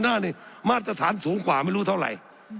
สับขาหลอกกันไปสับขาหลอกกันไป